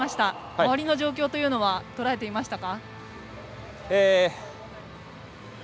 周りの状況というのはとらえていましたか。